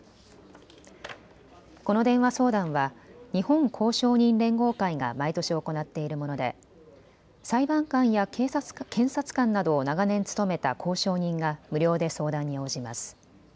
この電話相談は日本公証人連合会が毎年行っているもので裁判官や検察官などを長年務めた公証人が無料で相談に応じます。